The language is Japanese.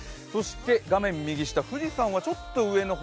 画面右下、富士山はちょっと上の方